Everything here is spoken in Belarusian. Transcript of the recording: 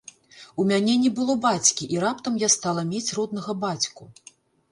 У мяне не было бацькі, і раптам я стала мець роднага бацьку.